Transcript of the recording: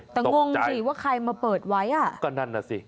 แต่งงสิว่าใครมาเปิดไว้อ่ะก็นั่นน่ะสิ